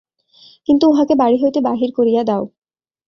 কিন্তু উহাকে বাড়ি হইতে বাহির করিয়া দেও।